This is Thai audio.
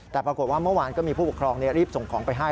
แต่ปรากฏว่าเมื่อวานก็มีผู้ปกครองรีบส่งของไปให้